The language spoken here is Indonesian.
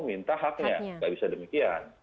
minta haknya nggak bisa demikian